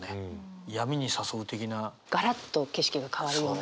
ガラッと景色が変わるような感じ。